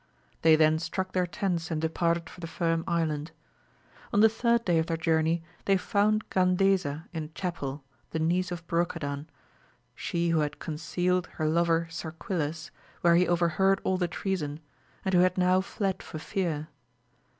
They then struck their tents and departed for the Firm Island. On the third day of their journey thej found Gandeza in a chapel, the niece of Brocadan, she who had concealed her lover Sarquiles where he overheard all the treason, and who had now fled for fear.